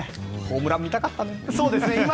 ホームラン見たかったね。